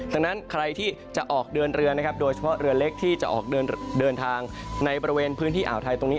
ดังนั้นใครที่จะออกเดินเรือนะครับโดยเฉพาะเรือเล็กที่จะออกเดินทางในบริเวณพื้นที่อ่าวไทยตรงนี้